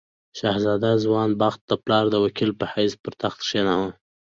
شهزاده جوان بخت د پلار د وکیل په حیث پر تخت کښېناوه.